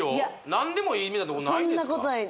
何でもいいみたいなとこないですか？